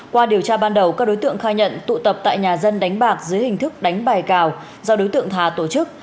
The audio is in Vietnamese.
qua điều tra ban đầu các đối tượng khai nhận tụ tập tại nhà dân đánh bạc dưới hình thức đánh bài cào do đối tượng thà tổ chức